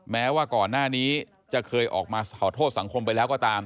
แม้ว่าก่อนหน้านี้จะเคยออกมาขอโทษสังคมไปแล้วก็ตาม